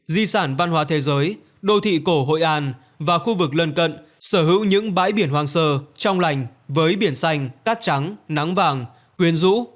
di sản văn hóa thế giới đô thị cổ hội an và khu vực lân cận sở hữu những bãi biển hoang sơ trong lành với biển xanh cát trắng nắng vàng quyến rũ